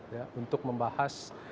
ya untuk membahas